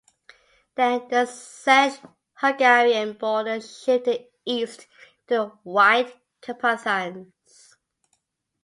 Then, the Czech-Hungarian border shifted east to the White Carpathians.